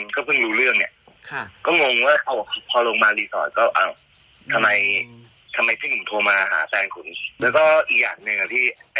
ชอบอยู่แล้วพี่ก็เป็นแบบเหมือนค่ารักษาแบบรอบต่อไปอะไรประมาณเนี่ยฮะ